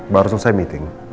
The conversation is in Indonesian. baru selesai meeting